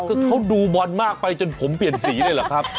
ก็เขาดูบอลมากไปจนผมเปลี่ยนสีเลยเหรอครับ